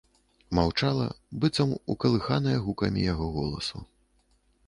Маўчала, быццам укалыханая гукамі яго голасу.